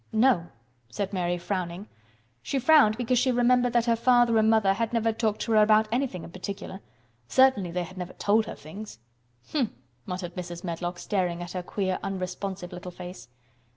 "No," said Mary frowning. She frowned because she remembered that her father and mother had never talked to her about anything in particular. Certainly they had never told her things. "Humph," muttered Mrs. Medlock, staring at her queer, unresponsive little face.